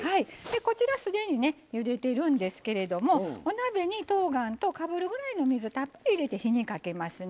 すでにゆでているんですけれどもお鍋に、とうがんとかぶるぐらいの水たっぷり入れて、火にかけますね。